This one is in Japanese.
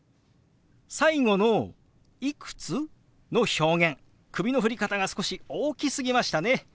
最後の「いくつ？」の表現首の振り方が少し大きすぎましたね。